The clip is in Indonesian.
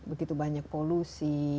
begitu banyak polusi